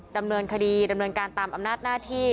ดำเนินคดีดำเนินการตามอำนาจหน้าที่